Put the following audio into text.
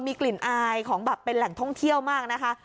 มีกลิ่นอายของแบบเป็นแหล่งท่องเที่ยวมากนะคะ